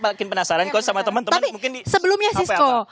makin penasaran kok sama teman teman mungkin di sebelumnya sisko